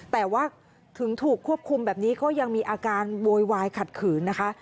แต่ว่าถึงถูกควบคุมแบบนี้ก็ยังมีอาการโวยวายขัดขืนนะคะ